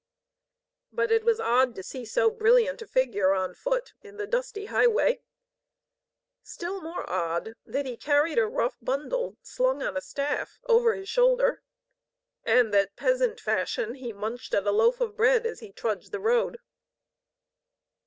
But it was odd to see so brilliant a figure on foot in the dusty highway; still more odd that be carried a rough bundle slung on a staff over his and that, peasant fashion, he munched at a loaf of bread as he trudged the road.